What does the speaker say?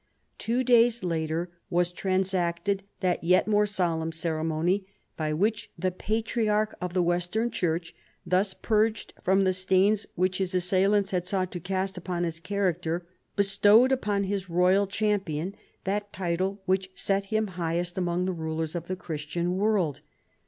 Two days later was transacted that yet more solemn ceremony by which the Patriarch of the Western Church, thus purged from the stains which his assailants had sought to cast upon his character, bestowed upon his royal champion that title which set him highest amono^ the rulers of the Christian world.